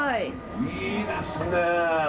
いいですね！